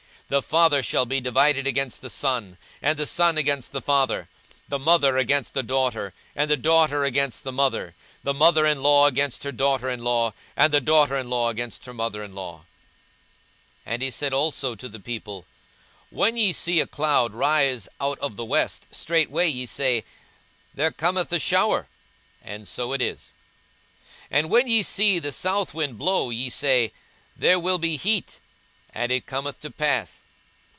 42:012:053 The father shall be divided against the son, and the son against the father; the mother against the daughter, and the daughter against the mother; the mother in law against her daughter in law, and the daughter in law against her mother in law. 42:012:054 And he said also to the people, When ye see a cloud rise out of the west, straightway ye say, There cometh a shower; and so it is. 42:012:055 And when ye see the south wind blow, ye say, There will be heat; and it cometh to pass.